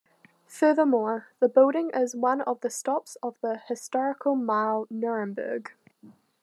Furthermore, the building is one of the stops of the "Historical Mile Nuremberg".